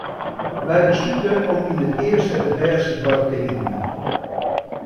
Wy beslute om yn it earste it bêste doarp te iten.